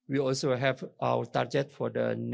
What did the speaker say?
kami juga memiliki tujuan